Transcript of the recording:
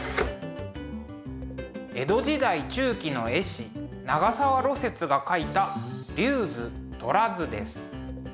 江戸時代中期の絵師長沢芦雪が描いた「龍図」「虎図」です。